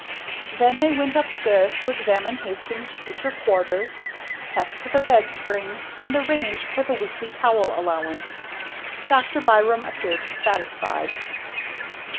Then they went upstairs to examine Hastings' future quarters, test the bed springs and arrange for the weekly towel allowance. Dr. Byram appeared satisfied.